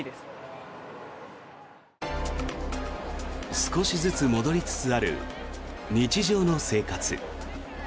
少しずつ戻りつつある日常の生活。